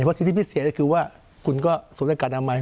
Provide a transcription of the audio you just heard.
เพราะเศรษฐีพิเศษก็คือว่าคุณก็สวนด้วยการน้ำมัน